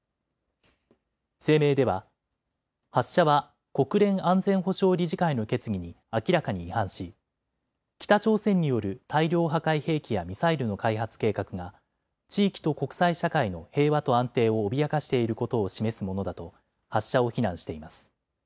声明では、発射は国連安全保障理事会の決議に明らかに違反し北朝鮮による大量破壊兵器やミサイルの開発計画が地域と国際社会の平和と安定を脅かしていることを示すものだと発射を非難しています。